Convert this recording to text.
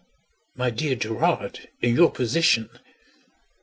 "My dear Gerard, in your position!"